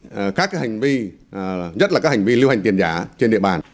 để phát hiện và xử lý các hành vi nhất là các hành vi lưu hành tiền giả trên địa bàn